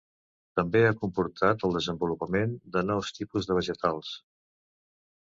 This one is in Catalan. També ha comportat el desenvolupament de nous tipus de vegetals.